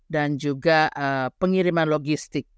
dan juga pengiriman logistik